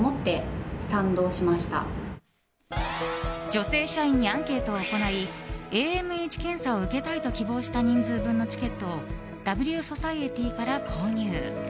女性社員にアンケートを行いＡＭＨ検査を受けたいと希望した人数分のチケットをＷｓｏｃｉｅｔｙから購入。